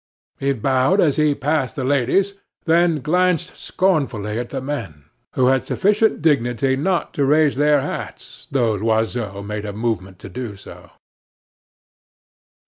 He bowed as he passed the ladies, then glanced scornfully at the men, who had sufficient dignity not to raise their hats, though Loiseau made a movement to do so.